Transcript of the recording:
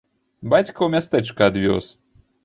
Бацька ў мястэчка адвёз.